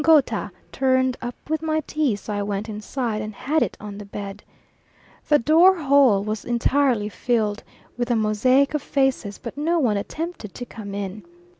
Ngouta turned up with my tea, so I went inside, and had it on the bed. The door hole was entirely filled with a mosaic of faces, but no one attempted to come in.